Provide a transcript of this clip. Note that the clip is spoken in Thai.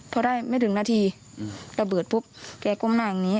พอได้ไม่ถึงนาทีระเบิดปุ๊บแกก้มหน้าอย่างนี้